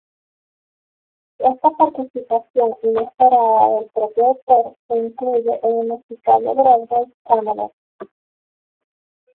Esta participación inesperada del propio autor se incluye en el musical de Broadway "Camelot".